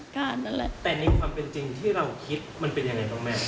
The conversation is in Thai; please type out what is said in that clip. แต่นี่ความเป็นจริงที่เราคิดมันเป็นยังไงครับแม่